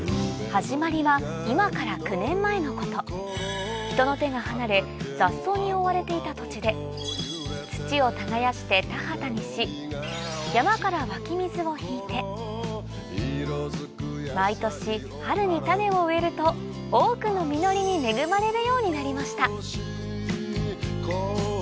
始まりは今から９年前のこと人の手が離れ雑草に覆われていた土地で土を耕して田畑にし山から毎年春に種を植えると多くの実りに恵まれるようになりました